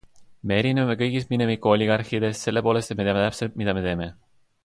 Me erineme kõigist mineviku oligarhiatest selle poolest, et me teame täpselt, mida me teeme.